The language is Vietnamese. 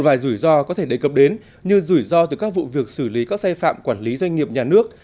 vài rủi ro có thể đề cập đến như rủi ro từ các vụ việc xử lý các sai phạm quản lý doanh nghiệp nhà nước